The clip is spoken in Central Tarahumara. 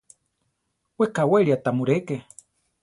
We kawélia ta mu réke.